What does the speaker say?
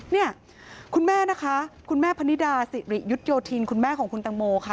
เนี่ยคุณแม่นะคะคุณแม่พนิดาสิริยุทธโยธินคุณแม่ของคุณตังโมค่ะ